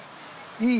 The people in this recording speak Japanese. いい？